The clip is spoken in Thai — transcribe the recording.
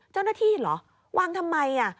เจ้าหน้าที่เห็นเหรอวางทำไมอ่ะ